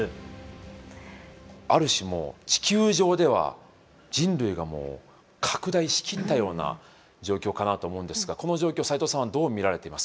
ある種もう地球上では人類が拡大し切ったような状況かなと思うんですがこの状況を斎藤さんはどう見られていますか？